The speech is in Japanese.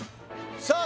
さあ